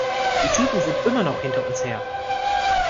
Die Typen sind immer noch hinter uns her!